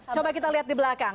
coba kita lihat di belakang